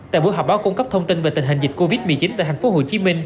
tại buổi họp báo cung cấp thông tin về tình hình dịch covid một mươi chín tại tp hcm